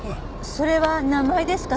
それは名前ですか？